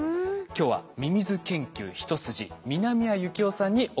今日はミミズ研究一筋南谷幸雄さんにお越し頂きました。